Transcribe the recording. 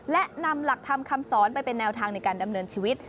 และนำหลักธรรมคำสอนไปเป็นแนวทางในการดำเนินชีวิต